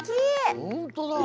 ほんとだ！